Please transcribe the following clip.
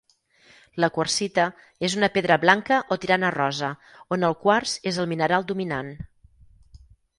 La quarsita és una pedra blanca o tirant a rosa on el quars és el mineral dominant.